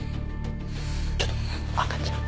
ちょっと赤ちゃん。